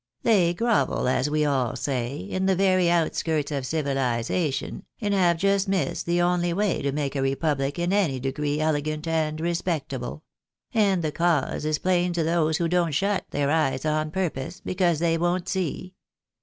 They grovel, as we all say, in the very outskirts of civilisation, and have just missed the only way to make a republic in any degree elegant and respectable ; and the cause is plain to those who don't shut their eyes on purpose, because they won't see.